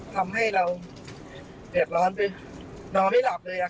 ทำให้เราเหลือนอนไม่หลับเลยค่ะ